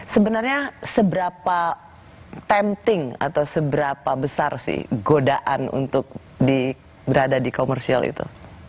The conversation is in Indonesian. sebenarnya seberapa penting atau seberapa besar sih godaan untuk berada di komersial itu